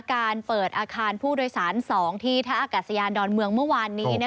การเปิดอาคารผู้โดยสาร๒ที่ท่าอากาศยานดอนเมืองเมื่อวานนี้